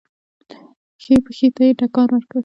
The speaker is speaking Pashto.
ښی پښې ته يې ټکان ورکړ.